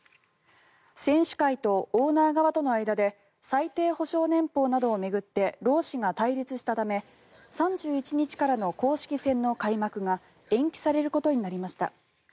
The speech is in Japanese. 選手会とオーナー側との間で最低保証年俸などを巡って労使が対立したため３１日からの公式戦の開幕が延期されることになりました。